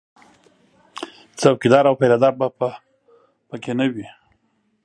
څوکیدار او پیره دار به په کې نه وي